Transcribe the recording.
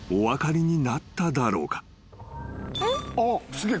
すげえ。